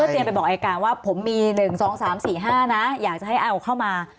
เตรียมไปบอกอายการว่าผมมี๑๒๓๔๕นะอยากจะให้เอาเข้ามา